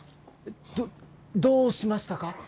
どどうしましたか？